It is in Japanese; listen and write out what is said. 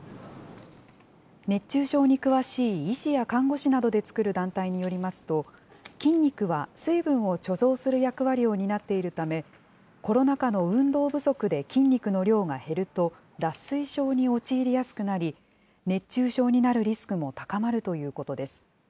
熱中症に詳しい医師や看護師などで作る団体によりますと、筋肉は水分を貯蔵する役割を担っているため、コロナ禍の運動不足で筋肉の量が減ると、脱水症に陥りやすくなり、熱中症になるリスクも高まるということです。